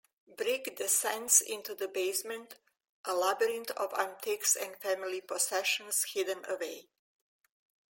Brick descends into the basement, a labyrinth of antiques and family possessions hidden away.